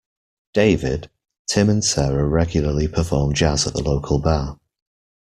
David, Tim and Sarah regularly perform jazz at the local bar.